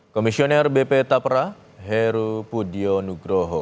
komisioner bp taperah heru pudyo nugroho